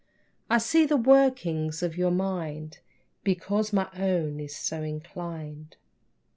I see the workings of your mind Because my own is so inclined.